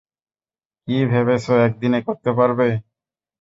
কী ভেবেছো একদিনে করতে পারবে?